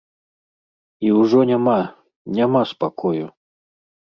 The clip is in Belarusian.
І ўжо няма, няма спакою!